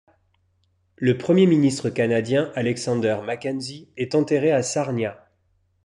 Le premier ministre canadien Alexander Mackenzie est enterré à Sarnia.